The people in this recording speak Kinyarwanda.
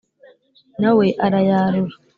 na we arayarura ,